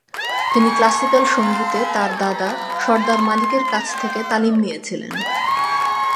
তিনি ক্লাসিকাল সঙ্গীতে তার দাদা সর্দার মালিকের কাছ থেকে তালিম নিয়েছিলেন।